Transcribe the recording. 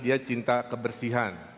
dia cinta kebersihan